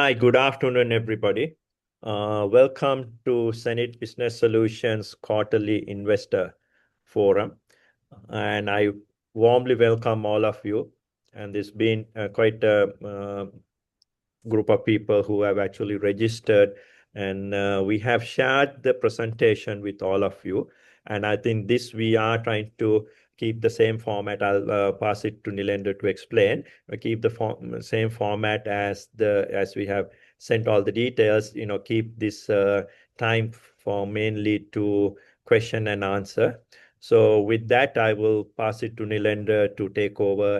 Hi. Good afternoon, everybody. Welcome to hSenid Business Solutions quarterly investor forum. I warmly welcome all of you. It's been quite a group of people who have actually registered. We have shared the presentation with all of you. I think this we are trying to keep the same format. I'll pass it to Nilendra to explain. We keep the same format as we have sent all the details, keep this time for mainly to question and answer. With that, I will pass it to Nilendra to take over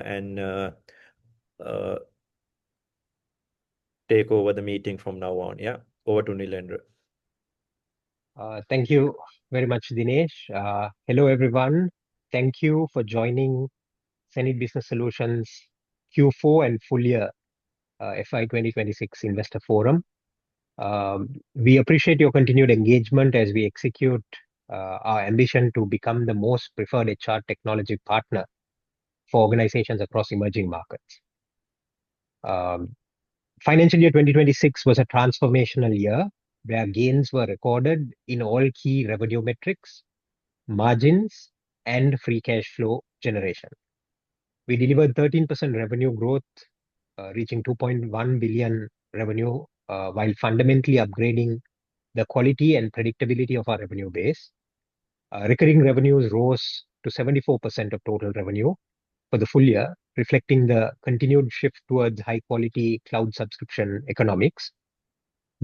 the meeting from now on. Yeah. Over to Nilendra. Thank you very much, Dinesh. Hello, everyone. Thank you for joining hSenid Business Solutions Q4 and full year FY 2026 investor forum. We appreciate your continued engagement as we execute our ambition to become the most preferred HR technology partner for organizations across emerging markets. Financial year 2026 was a transformational year, where gains were recorded in all key revenue metrics, margins, and free cash flow generation. We delivered 13% revenue growth, reaching LKR 2.1 billion revenue, while fundamentally upgrading the quality and predictability of our revenue base. Recurring revenues rose to 74% of total revenue for the full year, reflecting the continued shift towards high-quality cloud subscription economics.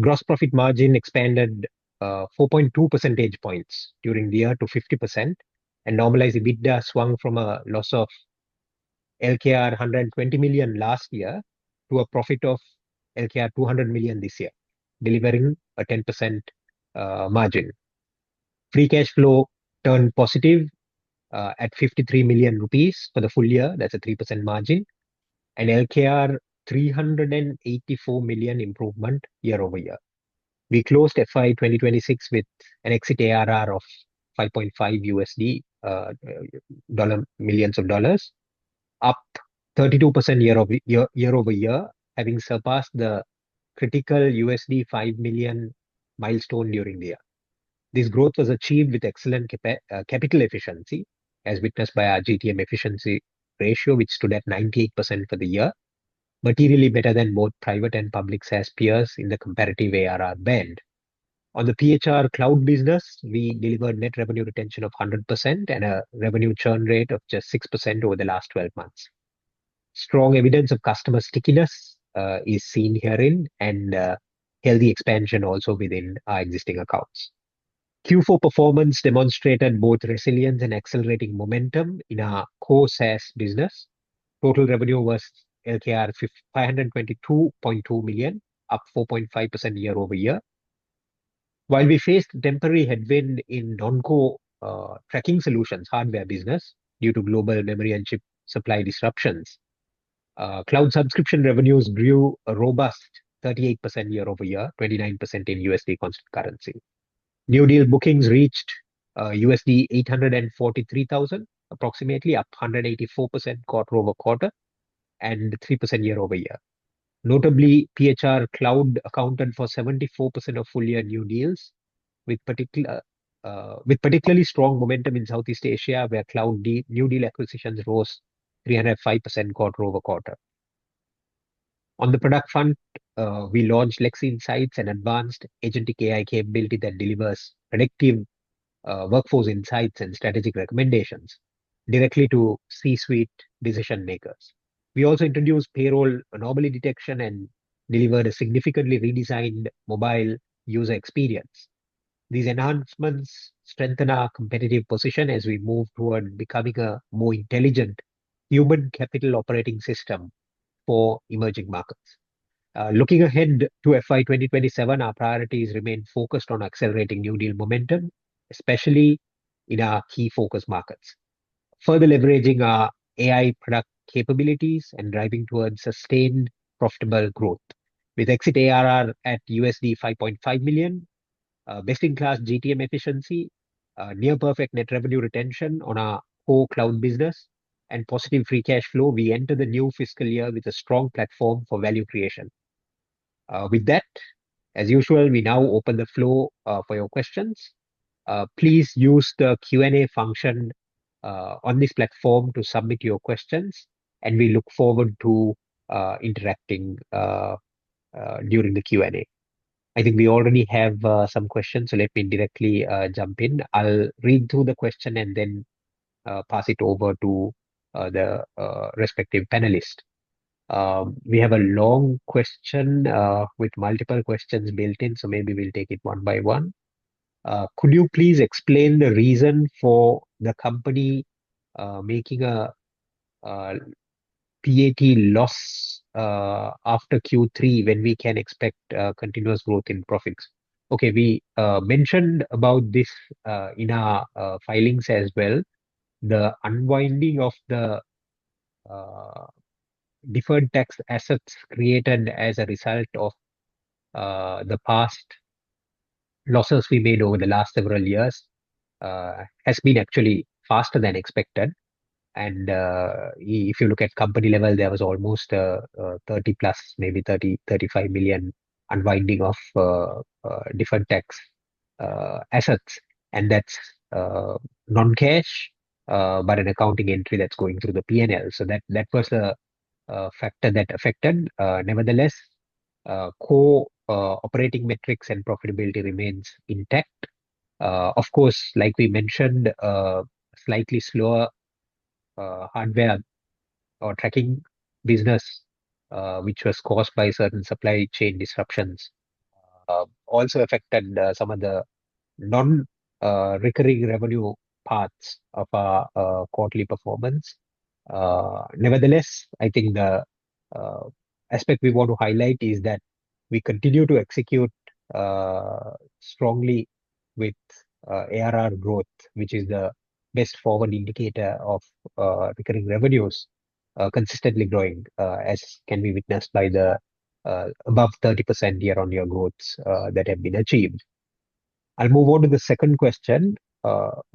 Gross profit margin expanded 4.2 percentage points during the year to 50%, and normalized EBITDA swung from a loss of LKR 120 million last year to a profit of LKR 200 million this year, delivering a 10% margin. Free cash flow turned positive at LKR 53 million for the full year. That's a 3% margin, an LKR 384 million improvement year-over-year. We closed FY 2026 with an exit ARR of $5.5 million, up 32% year-over-year, having surpassed the critical $5 million milestone during the year. This growth was achieved with excellent capital efficiency, as witnessed by our GTM efficiency ratio, which stood at 98% for the year, materially better than both private and public SaaS peers in the comparative ARR band. On the PeoplesHR Cloud business, we delivered net revenue retention of 100% and a revenue churn rate of just 6% over the last 12 months. Strong evidence of customer stickiness is seen herein and healthy expansion also within our existing accounts. Q4 performance demonstrated both resilience and accelerating momentum in our core SaaS business. Total revenue was LKR 522.2 million, up 4.5% year-over-year. While we faced temporary headwind in non-core PeoplesHR tracking solutions hardware business due to global memory and chip supply disruptions, cloud subscription revenues grew a robust 38% year-over-year, 29% in USD constant currency. New deal bookings reached USD 843,000, approximately up 184% quarter-over-quarter, and 3% year-over-year. Notably, PeoplesHR Cloud accounted for 74% of full year new deals with particularly strong momentum in Southeast Asia, where new deal acquisitions rose 305% quarter-over-quarter. On the product front, we launched Lexi Insights, an advanced agentic AI capability that delivers predictive workforce insights and strategic recommendations directly to C-suite decision-makers. We also introduced payroll anomaly detection and delivered a significantly redesigned mobile user experience. These enhancements strengthen our competitive position as we move toward becoming a more intelligent human capital operating system for emerging markets. Looking ahead to FY 2027, our priorities remain focused on accelerating new deal momentum, especially in our key focus markets, further leveraging our AI product capabilities and driving towards sustained profitable growth. With exit ARR at $5.5 million, best-in-class GTM efficiency, near perfect net revenue retention on our core cloud business, and positive free cash flow, we enter the new fiscal year with a strong platform for value creation. With that, as usual, we now open the floor for your questions. Please use the Q&A function on this platform to submit your questions, and we look forward to interacting during the Q&A. I think we already have some questions, let me directly jump in. I'll read through the question then pass it over to the respective panelist. We have a long question with multiple questions built in, maybe we'll take it one by one. Could you please explain the reason for the company making a PAT loss after Q3 when we can expect continuous growth in profits? Okay. We mentioned about this in our filings as well. The unwinding of the deferred tax assets created as a result of the past losses we made over the last several years has been actually faster than expected. If you look at company level, there was almost 30-plus, maybe LKR 30 million, LKR 35 million unwinding of different tax assets, and that's non-cash, but an accounting entry that's going through the P&L. That was a factor that affected. Nevertheless, core operating metrics and profitability remains intact. Of course, like we mentioned, slightly slower hardware or tracking business, which was caused by certain supply chain disruptions, also affected some of the non-recurring revenue parts of our quarterly performance. Nevertheless, I think the aspect we want to highlight is that we continue to execute strongly with ARR growth, which is the best forward indicator of recurring revenues consistently growing, as can be witnessed by the above 30% year-on-year growths that have been achieved. I'll move on to the second question.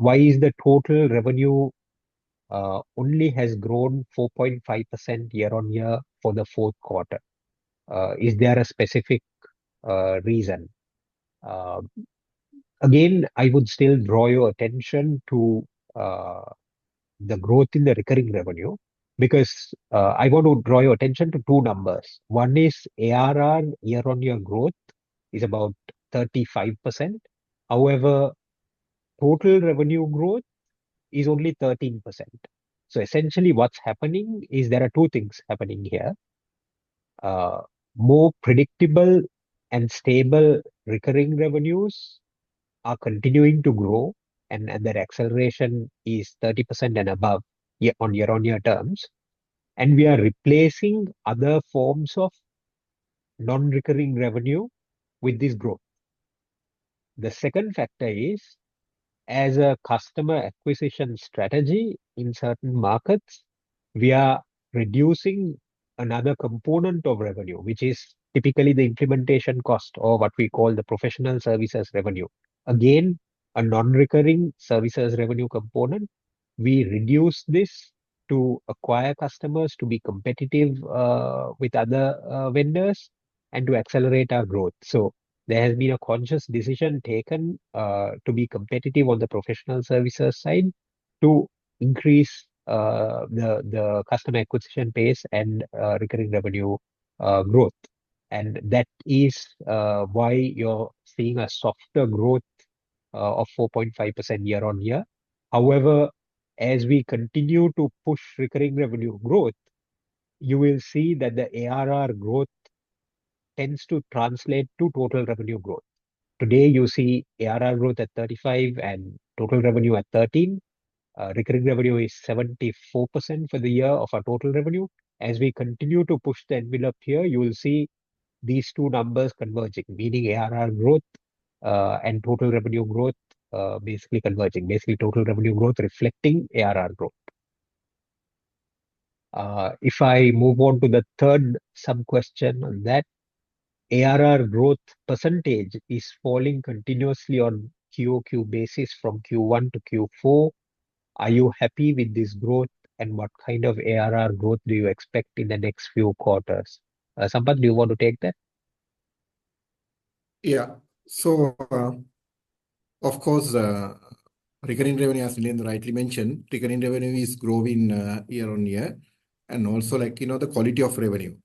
Why is the total revenue only has grown 4.5% year-on-year for the fourth quarter? Is there a specific reason? Again, I would still draw your attention to the growth in the recurring revenue, because I want to draw your attention to two numbers. One is ARR year-on-year growth is about 35%. However, total revenue growth is only 13%. Essentially what's happening is there are two things happening here. More predictable and stable recurring revenues are continuing to grow, their acceleration is 30% and above year-on-year terms, and we are replacing other forms of non-recurring revenue with this growth. The second factor is, as a customer acquisition strategy in certain markets, we are reducing another component of revenue, which is typically the implementation cost or what we call the professional services revenue. Again, a non-recurring services revenue component. We reduce this to acquire customers to be competitive with other vendors and to accelerate our growth. There has been a conscious decision taken to be competitive on the professional services side to increase the customer acquisition base and recurring revenue growth. That is why you're seeing a softer growth of 4.5% year-on-year. However, as we continue to push recurring revenue growth, you will see that the ARR growth tends to translate to total revenue growth. Today, you see ARR growth at 35% and total revenue at 13%. Recurring revenue is 74% for the year of our total revenue. As we continue to push the envelope here, you will see these two numbers converging, meaning ARR growth, and total revenue growth basically converging. Basically, total revenue growth reflecting ARR growth. If I move on to the third sub-question on that, ARR growth percentage is falling continuously on quarter-over-quarter basis from Q1 to Q4. Are you happy with this growth, and what kind of ARR growth do you expect in the next few quarters? Sampath, do you want to take that? Yeah. Of course, recurring revenue, as Nilendra rightly mentioned, recurring revenue is growing year-over-year, and also the quality of revenue.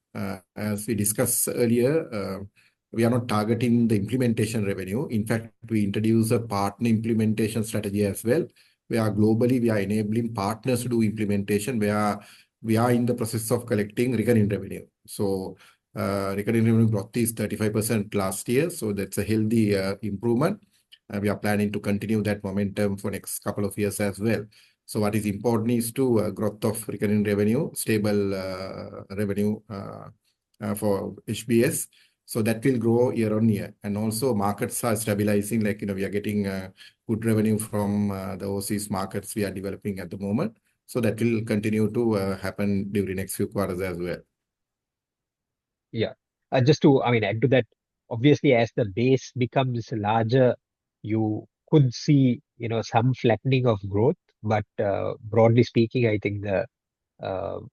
As we discussed earlier, we are not targeting the implementation revenue. In fact, we introduce a partner implementation strategy as well. We are globally enabling partners to do implementation. We are in the process of collecting recurring revenue. Recurring revenue growth is 35% last year, so that's a healthy improvement, and we are planning to continue that momentum for next couple of years as well. What is important is to growth of recurring revenue, stable revenue for HBS. That will grow year-over-year. Markets are stabilizing. We are getting good revenue from the overseas markets we are developing at the moment. That will continue to happen during next few quarters as well. Yeah. Just to add to that, obviously, as the base becomes larger, you could see some flattening of growth. Broadly speaking, I think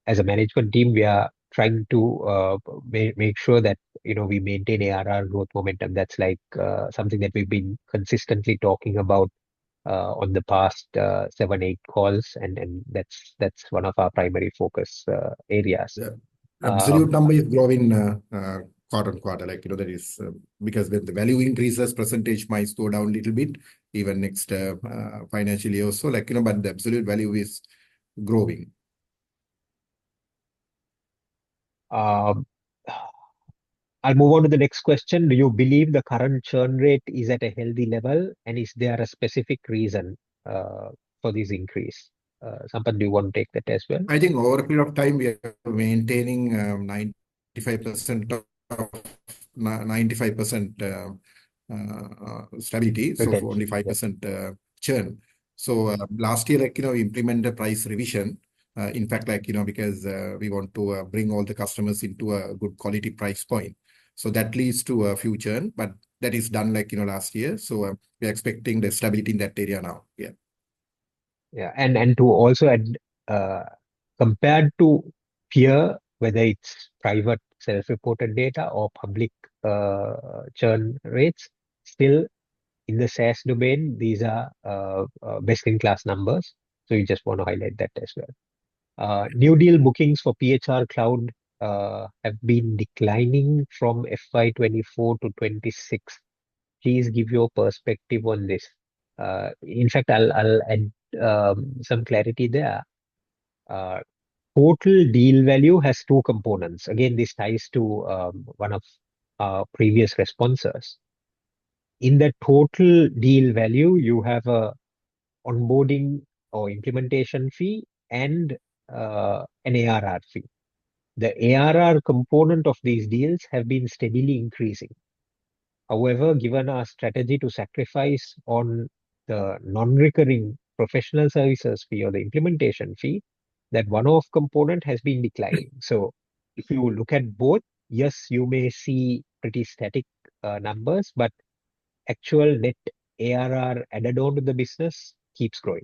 as a management team, we are trying to make sure that we maintain ARR growth momentum. That's something that we've been consistently talking about on the past seven, eight calls, then that's one of our primary focus areas. Yeah. Absolute number is growing quarter-on-quarter. When the value increases, percentage might slow down a little bit even next financial year also. The absolute value is growing. I'll move on to the next question. Do you believe the current churn rate is at a healthy level, and is there a specific reason for this increase? Sampath, do you want to take that as well? I think over a period of time, we are maintaining 95% stability. Okay only 5% churn. Last year, we implemented price revision in fact, because we want to bring all the customers into a good quality price point. That leads to a few churn, but that is done last year. We are expecting the stability in that area now. Yeah. Yeah. To also add, compared to peer, whether it's private self-reported data or public churn rates, still in the SaaS domain, these are best-in-class numbers. You just want to highlight that as well. New deal bookings for PHR Cloud have been declining from FY 2024 to 2026. Please give your perspective on this. In fact, I'll add some clarity there. Total deal value has two components. Again, this ties to one of our previous responses. In that total deal value, you have a onboarding or implementation fee and an ARR fee. The ARR component of these deals have been steadily increasing. However, given our strategy to sacrifice on the non-recurring professional services fee or the implementation fee, that one-off component has been declining. If you look at both, yes, you may see pretty static numbers, but actual net ARR added on to the business keeps growing.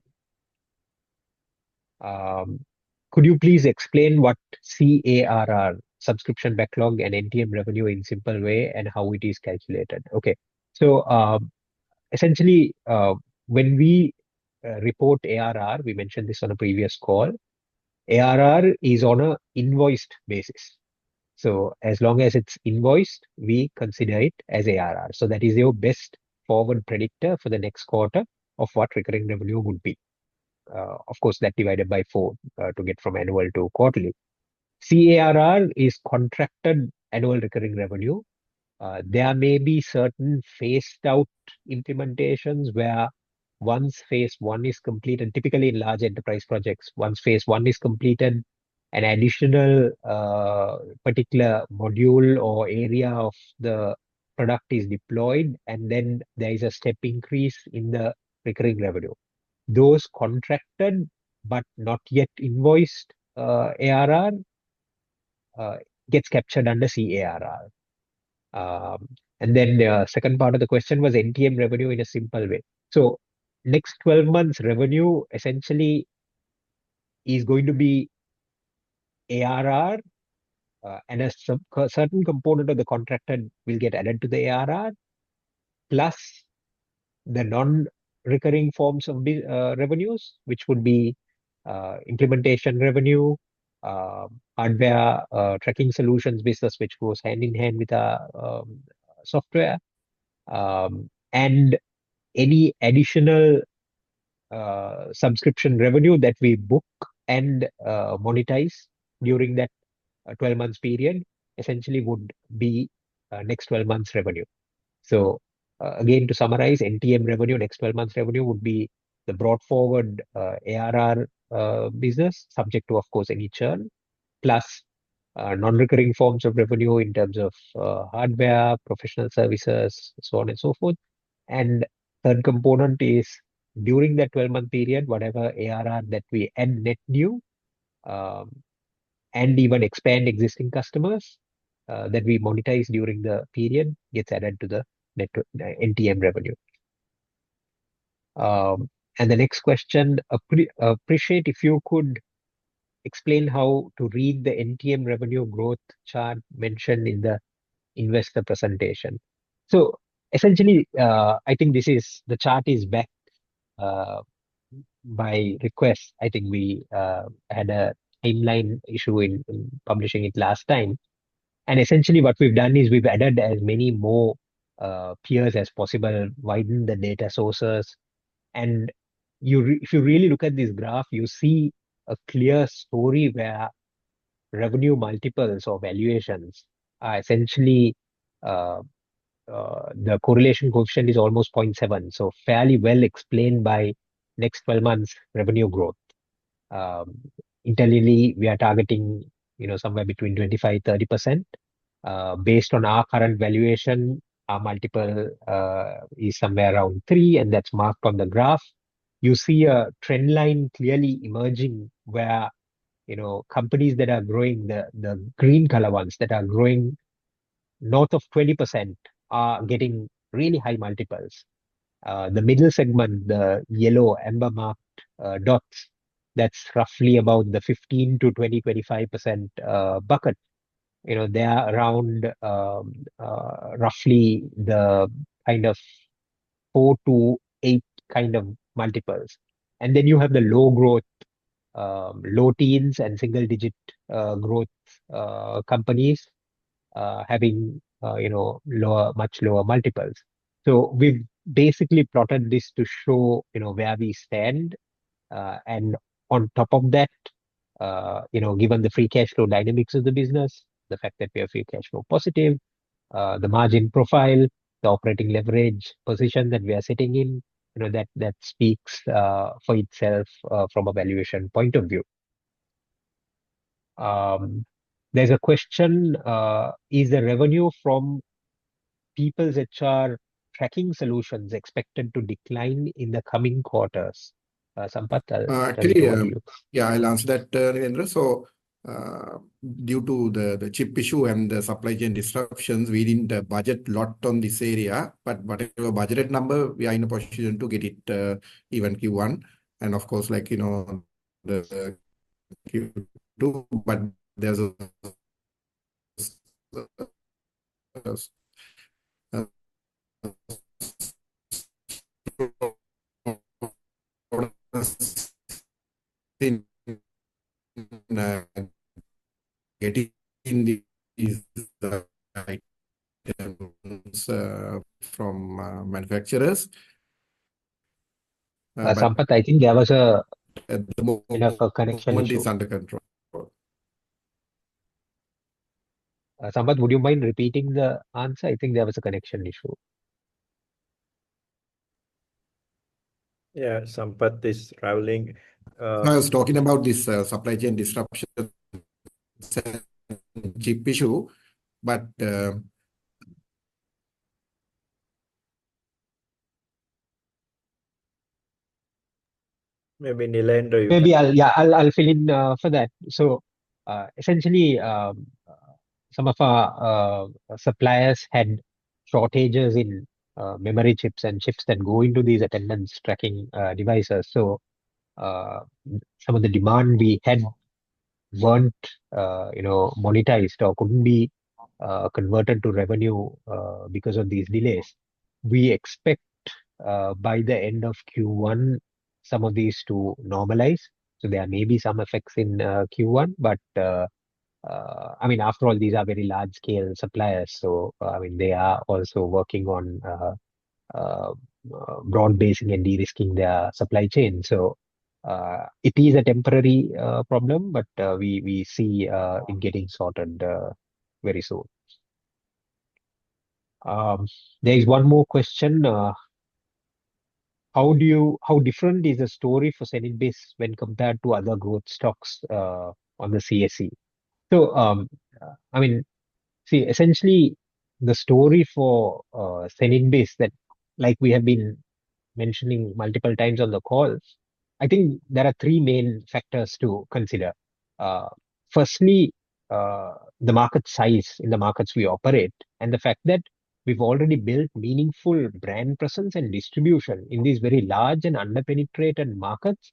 Could you please explain what CARR, subscription backlog, and NTM revenue in simple way and how it is calculated? Essentially, when we report ARR, we mentioned this on a previous call, ARR is on an invoiced basis. As long as it's invoiced, we consider it as ARR. That is your best forward predictor for the next quarter of what recurring revenue would be. Of course, that divided by four to get from annual to quarterly. CARR is contracted annual recurring revenue. There may be certain phased-out implementations where once phase 1 is completed, typically in large enterprise projects, once phase 1 is completed, an additional particular module or area of the product is deployed, and then there is a step increase in the recurring revenue. Those contracted but not yet invoiced ARR gets captured under CARR. The second part of the question was NTM revenue in a simple way. Next 12 months revenue, essentially, is going to be ARR, and a certain component of the contracted will get added to the ARR, plus the non-recurring forms of revenues, which would be implementation revenue, hardware tracking solutions business, which goes hand-in-hand with our software, and any additional subscription revenue that we book and monetize during that 12-month period, essentially would be next 12 months revenue. Again, to summarize, NTM revenue, next 12 months revenue, would be the brought forward ARR business subject to, of course, any churn, plus non-recurring forms of revenue in terms of hardware, professional services, so on and so forth. Third component is during that 12-month period, whatever ARR that we net new, and even expand existing customers that we monetize during the period gets added to the NTM revenue. The next question, appreciate if you could explain how to read the NTM revenue growth chart mentioned in the investor presentation. Essentially, I think the chart is back by request. I think we had a timeline issue in publishing it last time. Essentially what we've done is we've added as many more peers as possible, widened the data sources. If you really look at this graph, you see a clear story where revenue multiples or valuations are essentially the correlation coefficient is almost 0.7, fairly well explained by next 12 months revenue growth. Internally, we are targeting somewhere between 25%-30%. Based on our current valuation, our multiple is somewhere around three, that's marked on the graph. You see a trend line clearly emerging where companies that are growing, the green color ones that are growing north of 20% are getting really high multiples. The middle segment, the yellow amber marked dots, that's roughly about the 15%-20%, 25% bucket. They are around roughly the kind of 4-8 kind of multiples. You have the low growth, low teens, and single-digit growth companies having much lower multiples. We've basically plotted this to show where we stand. On top of that, given the free cash flow dynamics of the business, the fact that we are free cash flow positive, the margin profile, the operating leverage position that we are sitting in, that speaks for itself from a valuation point of view. There's a question: Is the revenue from PeoplesHR tracking solutions expected to decline in the coming quarters? Sampath, I'll hand it over to you. Actually, yeah, I'll answer that, Nilendra. Due to the chip issue and the supply chain disruptions, we didn't budget a lot on this area. Whatever budget number, we are in a position to get it even Q1, and of course, like Q2. Sampath, I think there was a connection issue. At the moment, everything is under control. Sampath, would you mind repeating the answer? I think there was a connection issue. Yeah, Sampath is traveling. I was talking about this supply chain disruption chip issue. Maybe Nilendra. Maybe, I'll fill in for that. Essentially, some of our suppliers had shortages in memory chips and chips that go into these attendance tracking devices. Some of the demand we had weren't monetized or couldn't be converted to revenue because of these delays. We expect by the end of Q1 some of these to normalize. There may be some effects in Q1, but after all, these are very large-scale suppliers, so they are also working on broad-basing and de-risking their supply chain. It is a temporary problem, but we see it getting sorted very soon. There is one more question. How different is the story for hSenid Business when compared to other growth stocks on the CSE? Essentially, the story for hSenid Business that we have been mentioning multiple times on the calls, I think there are three main factors to consider. Firstly, the market size in the markets we operate, and the fact that we've already built meaningful brand presence and distribution in these very large and under-penetrated markets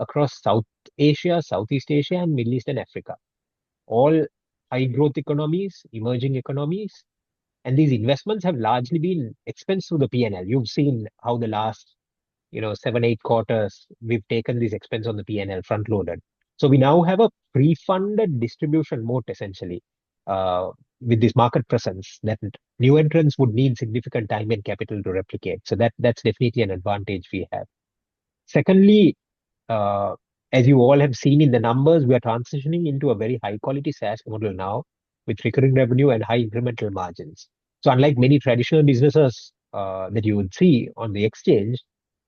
across South Asia, Southeast Asia, and Middle East, and Africa, all high-growth economies, emerging economies. These investments have largely been expense through the P&L. You've seen how the last seven, eight quarters, we've taken this expense on the P&L front-loaded. We now have a pre-funded distribution moat, essentially, with this market presence that new entrants would need significant time and capital to replicate. That's definitely an advantage we have. Secondly, as you all have seen in the numbers, we are transitioning into a very high-quality SaaS model now with recurring revenue and high incremental margins. Unlike many traditional businesses that you would see on the exchange,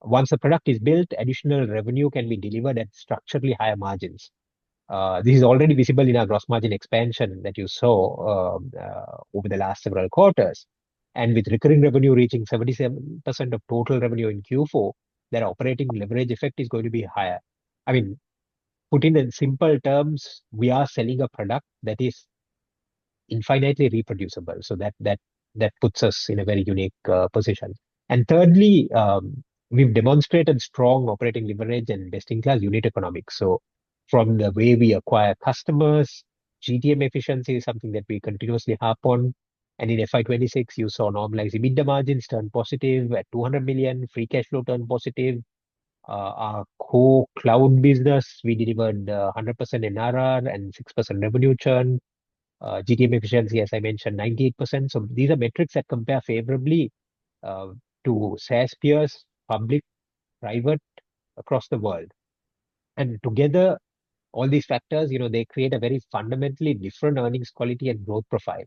once a product is built, additional revenue can be delivered at structurally higher margins. This is already visible in our gross margin expansion that you saw over the last several quarters. With recurring revenue reaching 77% of total revenue in Q4, that operating leverage effect is going to be higher. Putting in simple terms, we are selling a product that is infinitely reproducible, so that puts us in a very unique position. Thirdly, we've demonstrated strong operating leverage and best-in-class unit economics. From the way we acquire customers, GTM efficiency is something that we continuously harp on. In FY 2026, you saw normalized EBITDA margins turn positive at LKR 200 million, free cash flow turn positive. Our core cloud business, we delivered 100% NRR and 6% revenue churn. GTM efficiency, as I mentioned, 98%. These are metrics that compare favorably to SaaS peers, public, private, across the world. Together, all these factors, they create a very fundamentally different earnings quality and growth profile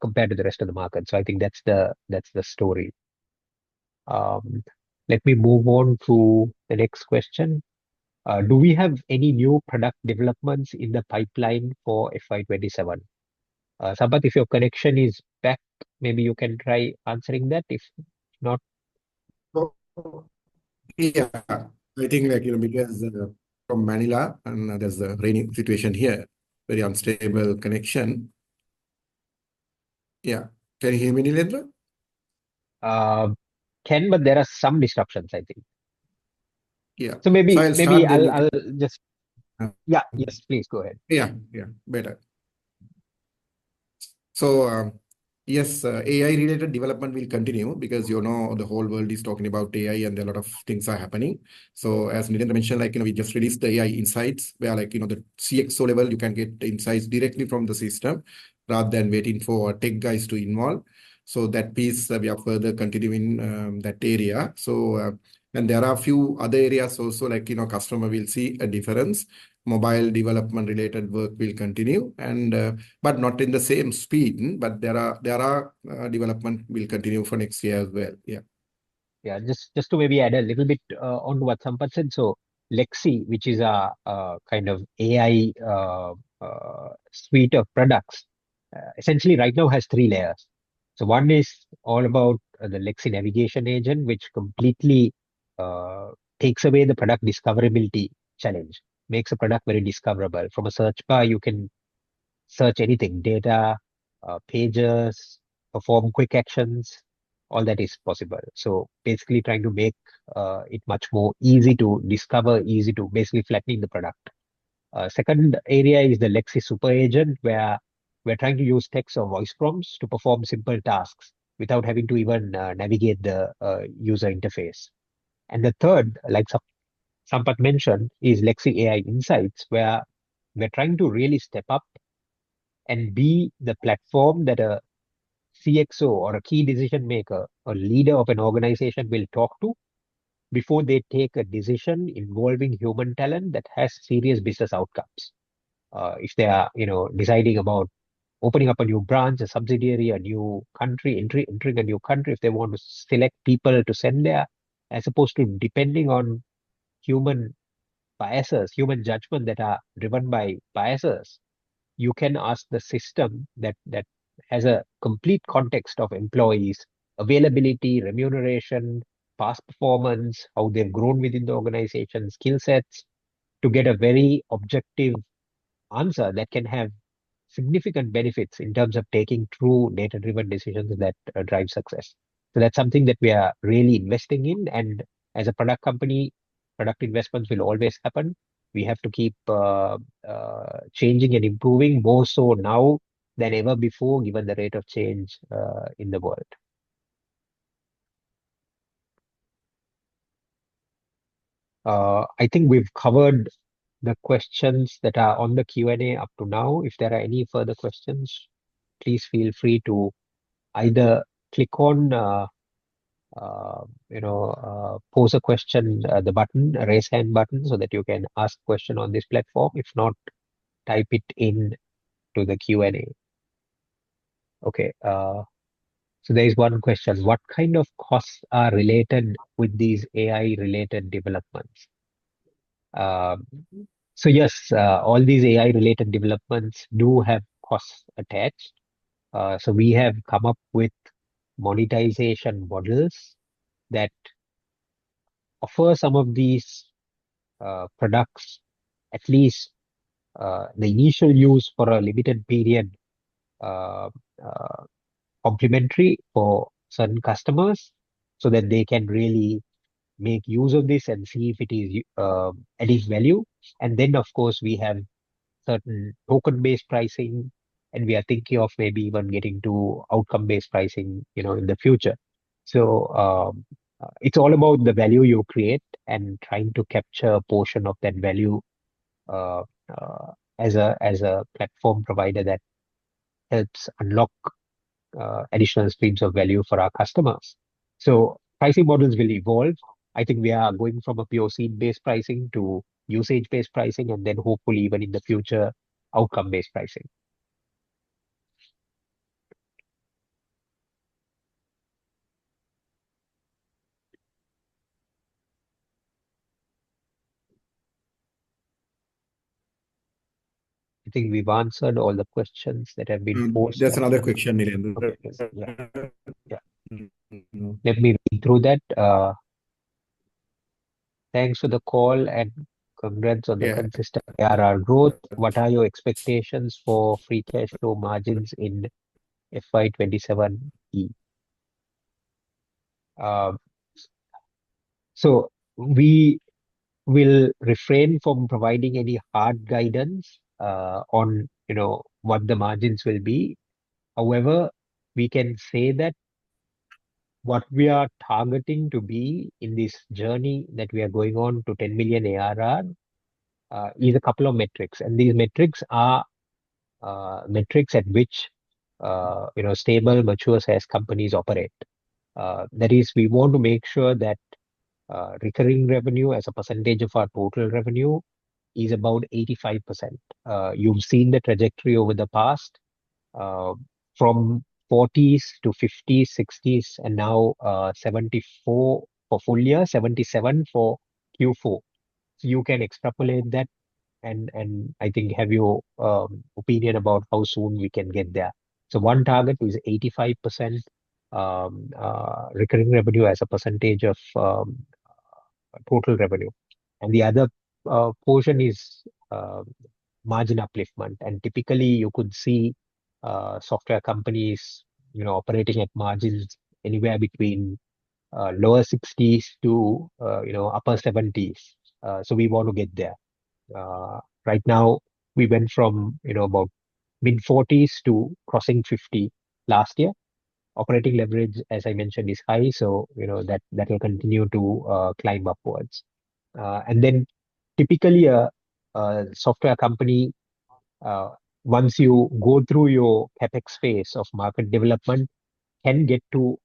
compared to the rest of the market. I think that's the story. Let me move on to the next question. Do we have any new product developments in the pipeline for FY 2027? Sampath, if your connection is back, maybe you can try answering that. Yeah. I think because from Manila, there's a rainy situation here, very unstable connection. Yeah. Can you hear me, Nilendra? can, there are some disruptions, I think. Yeah. So maybe- I'll start again. Yes, please go ahead. Better. Yes, AI-related development will continue because the whole world is talking about AI, and a lot of things are happening. As Nilendra mentioned, we just released the Lexi Insights, where the CXO level, you can get insights directly from the system rather than waiting for tech guys to involve. That piece, we are further continuing that area. There are a few other areas also customer will see a difference. Mobile development-related work will continue, but not in the same speed. There are development will continue for next year as well. Just to maybe add a little bit onto what Sampath said. Lexi, which is our AI suite of products, essentially right now has three layers. One is all about the Lexi Smart Navigator, which completely takes away the product discoverability challenge, makes a product very discoverable. From a search bar, you can search anything, data, pages, perform quick actions, all that is possible. Basically trying to make it much more easy to discover, easy to basically flattening the product. Second area is the Lexi Super Agent, where we're trying to use text or voice prompts to perform simple tasks without having to even navigate the user interface. The third, like Sampath mentioned, is Lexi Insights, where we're trying to really step up and be the platform that a CXO or a key decision maker or leader of an organization will talk to before they take a decision involving human talent that has serious business outcomes. If they are deciding about opening up a new branch, a subsidiary, a new country, entering a new country, if they want to select people to send there, as opposed to depending on human biases, human judgment that are driven by biases. You can ask the system that has a complete context of employees' availability, remuneration, past performance, how they've grown within the organization, skill sets, to get a very objective answer that can have significant benefits in terms of taking true data-driven decisions that drive success. That's something that we are really investing in, and as a product company, product investments will always happen. We have to keep changing and improving, more so now than ever before, given the rate of change in the world. We've covered the questions that are on the Q&A up to now. If there are any further questions, please feel free to either click on Pose a Question, the button, Raise Hand button so that you can ask question on this platform. Type it in to the Q&A. There is one question. What kind of costs are related with these AI-related developments? Yes, all these AI-related developments do have costs attached. We have come up with monetization models that offer some of these products, at least the initial use for a limited period, complimentary for certain customers, so that they can really make use of this and see if it adds value. Then, of course, we have certain token-based pricing, and we are thinking of maybe even getting to outcome-based pricing in the future. It's all about the value you create and trying to capture a portion of that value as a platform provider that helps unlock additional streams of value for our customers. Pricing models will evolve. We are going from a POC-based pricing to usage-based pricing, and then hopefully even in the future, outcome-based pricing. We've answered all the questions that have been posed. There's another question, Nilendra. Let me read through that. "Thanks for the call and congrats on the consistent ARR growth. What are your expectations for free cash flow margins in FY27E?" We will refrain from providing any hard guidance on what the margins will be. However, we can say that what we are targeting to be in this journey that we are going on to LKR 10 million ARR is a couple of metrics, and these metrics are metrics at which stable, mature size companies operate. That is, we want to make sure that recurring revenue as a percentage of our total revenue is about 85%. You've seen the trajectory over the past, from 40%-50%, 60%, and now 74% for full year, 77% for Q4. You can extrapolate that and have your opinion about how soon we can get there. One target is 85% recurring revenue as a percentage of total revenue. The other portion is margin upliftment. Typically, you could see software companies operating at margins anywhere between lower 60s to upper 70s. We want to get there. Right now, we went from about mid-40s to crossing 50 last year. Operating leverage, as I mentioned, is high, so that will continue to climb upwards. Typically a software company, once you go through your CapEx phase of market development, can get to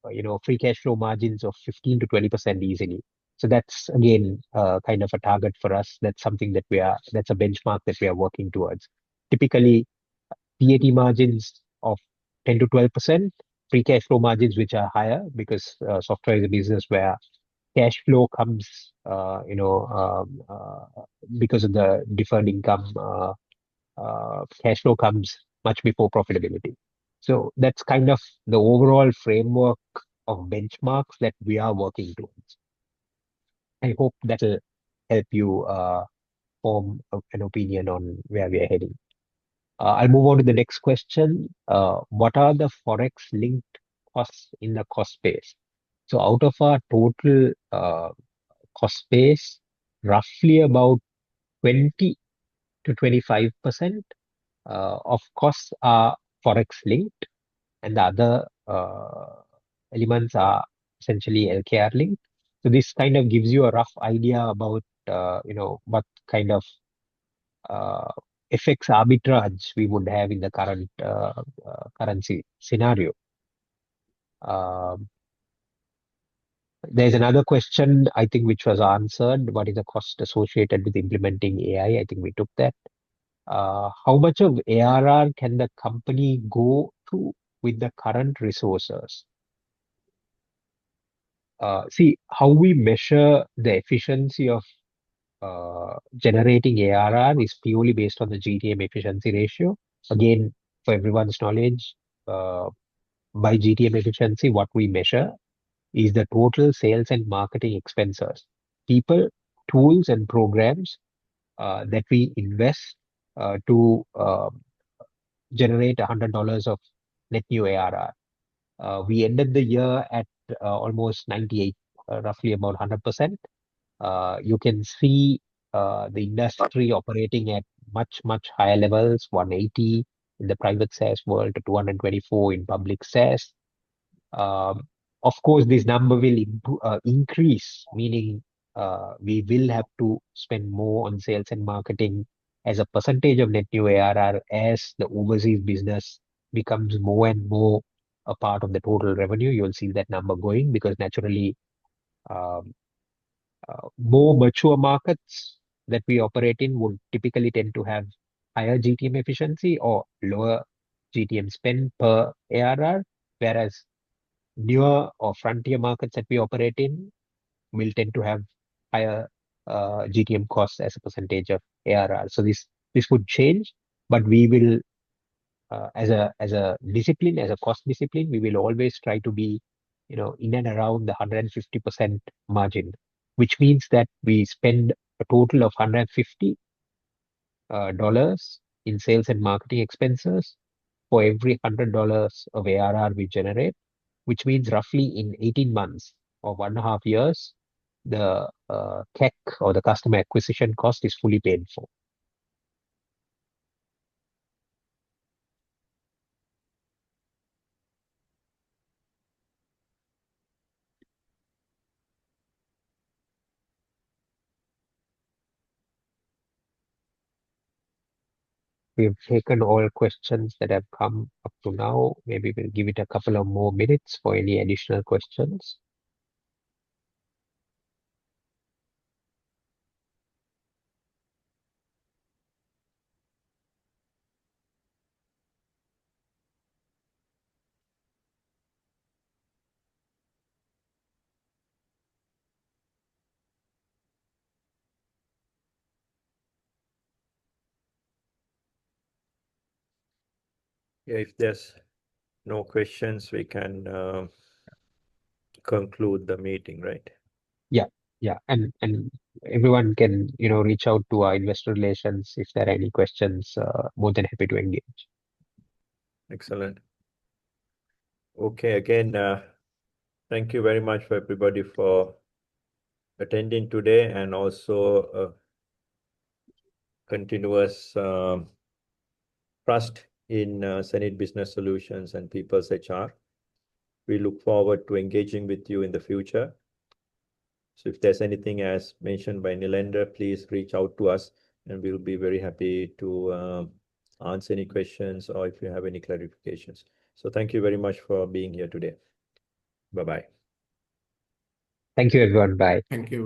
free cash flow margins of 15%-20% easily. That's, again, kind of a target for us. That's a benchmark that we are working towards. Typically PAT margins of 10%-12%, free cash flow margins which are higher because software is a business where, because of the deferred income, cash flow comes much before profitability. That's kind of the overall framework of benchmarks that we are working towards. I hope that'll help you form an opinion on where we are heading. I'll move on to the next question. What are the Forex-linked costs in the cost base? Out of our total cost base, roughly about 20%-25% of costs are Forex linked, and the other elements are essentially LKR linked. This kind of gives you a rough idea about what kind of FX arbitrage we would have in the current currency scenario. There's another question, I think, which was answered. What is the cost associated with implementing AI? I think we took that. How much of ARR can the company go to with the current resources? How we measure the efficiency of generating ARR is purely based on the GTM efficiency ratio. Again, for everyone's knowledge, by GTM efficiency, what we measure is the total sales and marketing expenses, people, tools, and programs that we invest to generate $100 of net new ARR. We ended the year at almost 98%, roughly about 100%. You can see the industry operating at much, much higher levels, 180% in the private SaaS world, 224% in public SaaS. Of course, this number will increase, meaning we will have to spend more on sales and marketing as a percentage of net new ARR. As the overseas business becomes more and more a part of the total revenue, you'll see that number going because naturally, more mature markets that we operate in would typically tend to have higher GTM efficiency or lower GTM spend per ARR. Whereas newer or frontier markets that we operate in will tend to have higher GTM costs as a percentage of ARR. This would change, but as a cost discipline, we will always try to be in and around the 150% margin. Which means that we spend a total of $150 in sales and marketing expenses for every $100 of ARR we generate, which means roughly in 18 months or 1.5 years, the CAC or the customer acquisition cost is fully paid for. We've taken all questions that have come up to now. Maybe we'll give it a couple of more minutes for any additional questions. If there's no questions, we can conclude the meeting, right? Yeah. Everyone can reach out to our investor relations if there are any questions. More than happy to engage. Excellent. Okay. Again, thank you very much, everybody, for attending today and also continuous trust in hSenid Business Solutions and PeoplesHR. We look forward to engaging with you in the future. If there's anything, as mentioned by Nilendra, please reach out to us and we'll be very happy to answer any questions or if you have any clarifications. Thank you very much for being here today. Bye-bye. Thank you, everyone. Bye. Thank you.